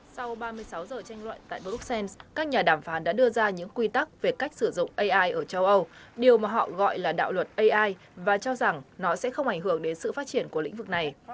sau ba mươi sáu giờ tranh luận tại bruxelles các nhà đàm phán đã đưa ra những quy tắc về cách sử dụng ai ở châu âu điều mà họ gọi là đạo luật ai và cho rằng nó sẽ không ảnh hưởng đến sự phát triển của lĩnh vực này